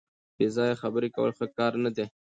بې ځایه خبرې کول ښه کار نه دی.